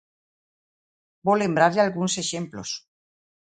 Vou lembrarlle algúns exemplos.